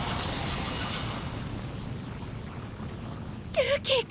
ルーキー君。